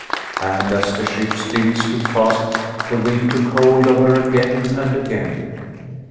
And as the ship still stood fast the wind took hold of her again and again.